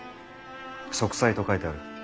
息災と書いてある。